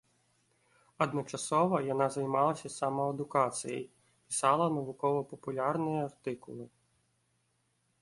Адначасова яна займалася самаадукацыяй, пісала навукова-папулярныя артыкулы.